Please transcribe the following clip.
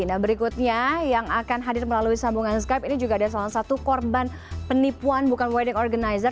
nah berikutnya yang akan hadir melalui sambungan skype ini juga ada salah satu korban penipuan bukan wedding organizer